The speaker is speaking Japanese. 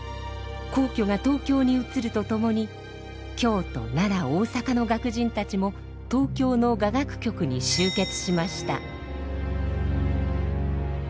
皇居が東京に移るとともに京都奈良大阪の楽人たちも東京の雅楽局に集結しました。